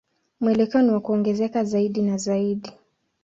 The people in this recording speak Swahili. Mwelekeo ni wa kuongezeka zaidi na zaidi.